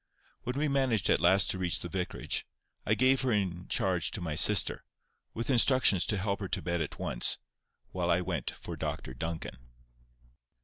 When we managed at last to reach the vicarage, I gave her in charge to my sister, with instructions to help her to bed at once, while I went for Dr Duncan.